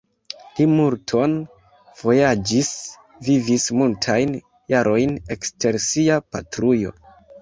Li multon vojaĝis, vivis multajn jarojn ekster sia patrujo.